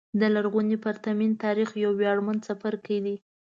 د لرغوني پرتمین تاریخ یو ویاړمن څپرکی دی.